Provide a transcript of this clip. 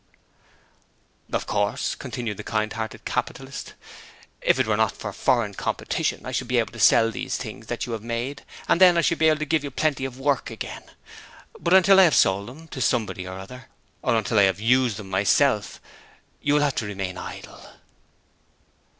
'Of course,' continued the kind hearted capitalist, 'if it were not for foreign competition I should be able to sell these things that you have made, and then I should be able to give you Plenty of Work again: but until I have sold them to somebody or other, or until I have used them myself, you will have to remain idle.'